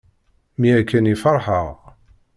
Mi akken i ferḥeɣ.